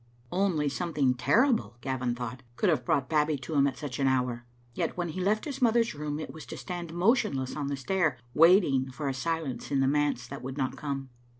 Only something terrible, Gavin thought, could have brought Babbie to him at such an hour; yet when he left his mother's room it was to stand motionless on the stair, waiting for a silence in the manse that would not come.